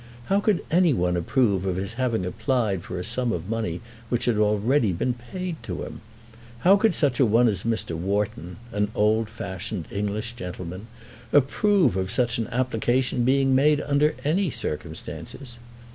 How could any one approve of his having applied for a sum of money which had already been paid to him? How could such a one as Mr. Wharton, an old fashioned English gentleman, approve of such an application being made under any circumstances?